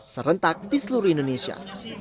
serentak di seluruh indonesia